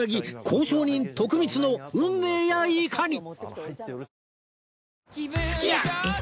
交渉人徳光の運命やいかに！？